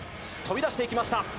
飛び出していきました。